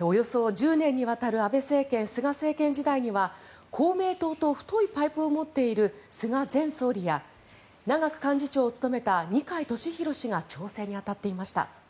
およそ１０年にわたる安倍政権、菅政権時代には公明党と太いパイプを持っている菅前総理や長く幹事長を務めた二階俊博氏が調整に当たっていました。